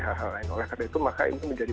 hal hal lain oleh karena itu maka ini menjadi